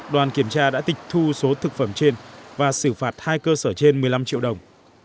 đoàn kiểm tra đã tịch thu số thực phẩm trên và xử phạt hai cơ sở trên một mươi năm triệu đồng